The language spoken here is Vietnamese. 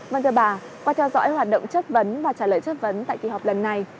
vâng thưa bà qua theo dõi hoạt động chất vấn và trả lời chất vấn tại kỳ họp lần này